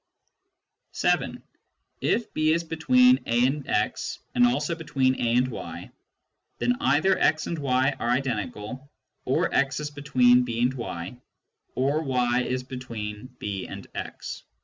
(7) If b is between a and x and also between a and y, then either x and y are identical, or x is between b and y, or y is between b and #.